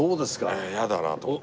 ええ嫌だなと思って。